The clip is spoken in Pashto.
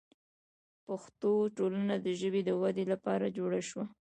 پښتو ټولنه د ژبې د ودې لپاره جوړه شوه.